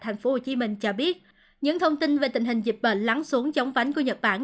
tp hcm cho biết những thông tin về tình hình dịch bệnh lắng xuống chống vánh của nhật bản